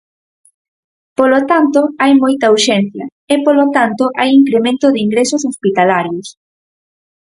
Polo tanto, hai moita urxencia e, polo tanto, hai incremento de ingresos hospitalarios.